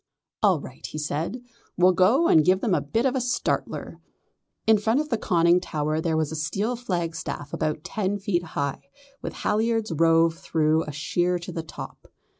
"All right," he said, "we'll go and give them a bit of a startler." In front of the conning tower there was a steel flagstaff about ten feet high, with halliards rove through a sheer in the top.